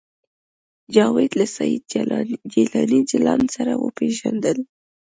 جاوید له سید جلاني جلان سره وپېژندل